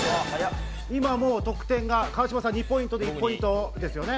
今、得点が川島さんが１ポイントで近藤さん１ポイントですよね。